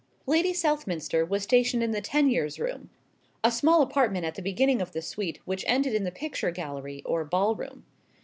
Lady Southminster was stationed in the Teniers room a small apartment at the beginning of the suite which ended in the picture gallery or ball room.